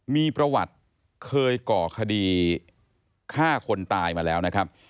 มีประวัติเคยก่อคดีฆ่าคนตายมาแล้วนะครับ